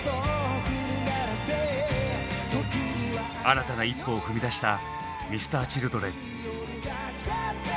新たな一歩を踏み出したＭｒ．Ｃｈｉｌｄｒｅｎ。